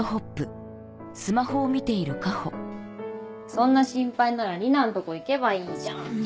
そんな心配なら里奈んとこ行けばいいじゃん。